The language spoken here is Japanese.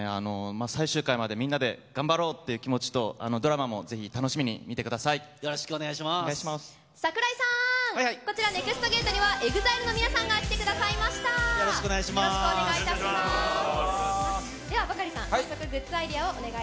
最終回までみんなで頑張ろうっていう気持ちとドラマもぜひ楽しみに見てください。